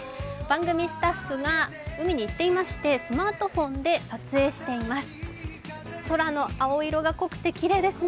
番組スタッフが海に行っていましてスマートフォンで撮影しています。